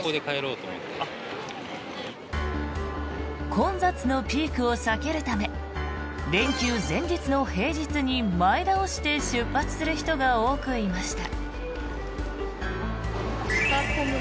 混雑のピークを避けるため連休前日の平日に前倒して出発する人が多くいました。